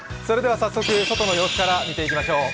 早速、外の様子から見ていきましょう。